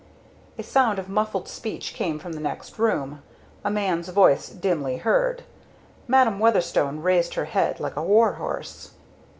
A sound of muffled speech came from the next room a man's voice dimly heard. Madam Weatherstone raised her head like a warhorse.